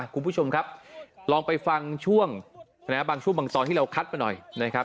คุณผู้ชมครับลองไปฟังช่วงบางช่วงบางตอนที่เราคัดมาหน่อยนะครับ